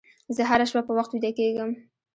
زه هره شپه په وخت ویده کېږم.